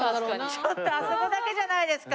ちょっとあそこだけじゃないですか！